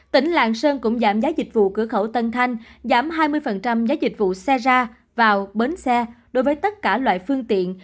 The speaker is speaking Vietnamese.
tỉnh lạng sơn cũng giảm giá dịch vụ cửa khẩu tân thanh giảm hai mươi giá dịch vụ xe ra vào bến xe đối với tất cả loại phương tiện